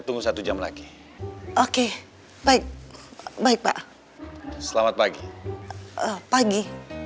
tunggu satu jam lagi oke baik baik pak selamat pagi pagi